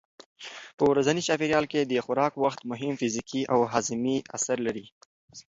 په ورځني چاپېریال کې د خوراک وخت مهم فزیکي او هاضمي اثر لري.